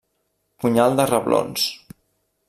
Punyal de reblons.